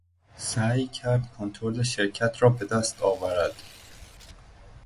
سعی کرد کنترل شرکت را به دست آورد.